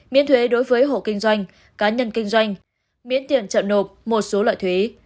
miễn thuế đối với hộ kinh doanh cá nhân kinh doanh miễn tiền chậm nộp một số loại thuế